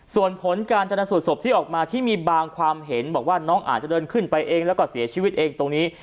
ส่วนผลการชนสูตรศพที่ออกมาที่มีบางความเห็นบอกว่าน้องอาจจะเดินขึ้นไปเองแล้วก็เสียชีวิตเองตรงนี้